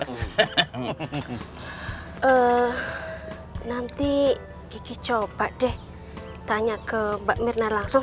nanti kiki coba deh tanya ke mbak mirna langsung